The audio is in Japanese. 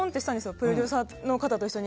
プロデューサーの方と一緒に。